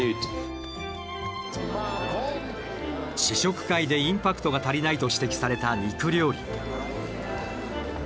試食会でインパクトが足りないと指摘された肉料理。